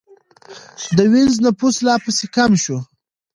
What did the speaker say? د وینز نفوس لا پسې کم شو.